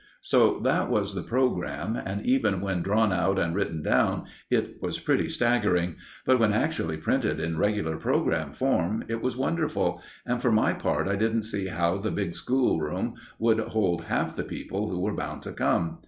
So that was the programme, and even when drawn out and written down, it was pretty staggering, but when actually printed in regular programme form, it was wonderful, and for my part I didn't see how the big schoolroom would hold half the people who were bound to come.